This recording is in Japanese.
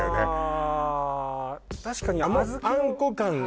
あ確かにあんこ感